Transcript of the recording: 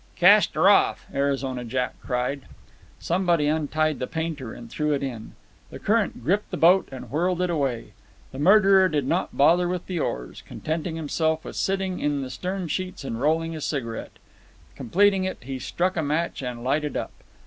"Cast her off!" Arizona Jack cried. Somebody untied the painter and threw it in. The current gripped the boat and whirled it away. The murderer did not bother with the oars, contenting himself with sitting in the stern sheets and rolling a cigarette. Completing it, he struck a match and lighted up.